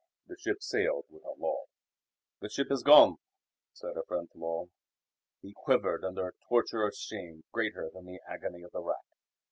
The ship sailed without Lull. "The ship has gone," said a friend to Lull. He quivered under a torture of shame greater than the agony of the rack.